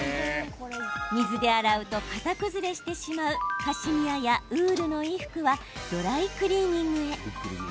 水で洗うと型崩れしてしまうカシミヤやウールの衣服はドライクリーニングへ。